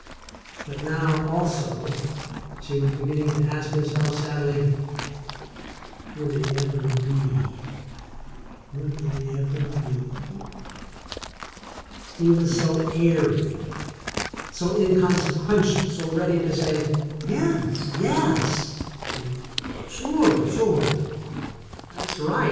But now, also, she was be ginning to ask herself sadly, ''Would it ever be?" He was so airy, so inconsequential, so ready to say : ''Yes, yes," and "Sure, sure! That's right!